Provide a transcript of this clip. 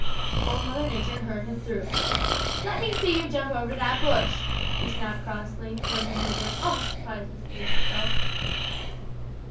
Old Mother Nature heard him through. 'Let me see you jump over that bush,' she snapped crossly, pointing to a bush almost as high as Mr. Deer himself.